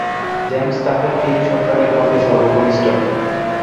James তাদের তিন সন্তানের মধ্যে সর্বকনিষ্ঠ।